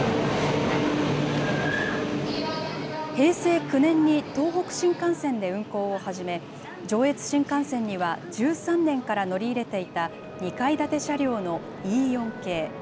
平成９年に東北新幹線で運行を始め、上越新幹線には１３年から乗り入れていた２階建て車両のＥ４系。